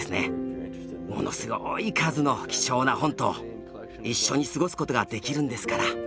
ものすごい数の貴重な本と一緒に過ごすことができるんですから。